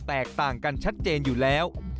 แตกต่างกันชัดเจนอยู่แล้ว